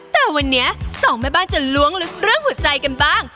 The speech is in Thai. แต่วันนี้สองแม่บ้านจะล้วงลึกเรื่องหัวใจกันบ้าง